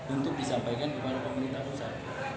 untuk disampaikan kepada pemerintah pusat